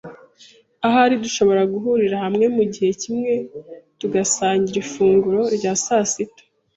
Ahari dushobora guhurira hamwe mugihe kimwe tugasangira ifunguro rya sasita.